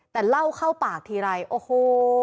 แต่เล่าเข้าปากทีไรโอ้โห